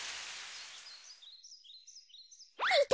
いた！